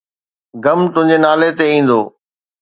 غم تنهنجي نالي تي ايندو